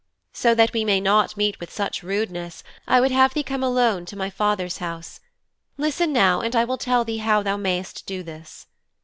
So that we may not meet with such rudeness I would have thee come alone to my father's house. Listen now and I will tell thee how thou mayst do this.'